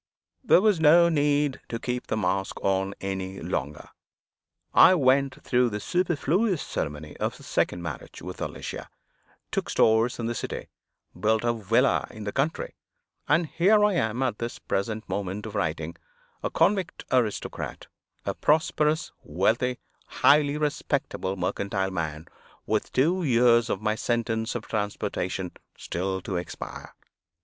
There was now no need to keep the mask on any longer. I went through the superfluous ceremony of a second marriage with Alicia; took stores in the city; built a villa in the country; and here I am at this present moment of writing, a convict aristocrat a prosperous, wealthy, highly respectable mercantile man, with two years of my sentence of transportation still to expire.